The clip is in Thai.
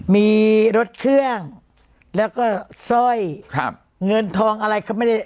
มีรถเครื่องแล้วก็สร้อยครับเงินทองอะไรก็ไม่ได้